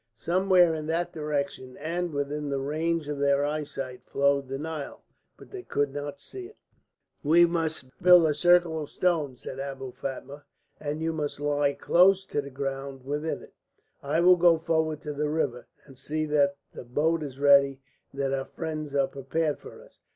Somewhere in that direction and within the range of their eyesight flowed the Nile, but they could not see it. "We must build a circle of stones," said Abou Fatma, "and you must lie close to the ground within it. I will go forward to the river, and see that the boat is ready and that our friends are prepared for us.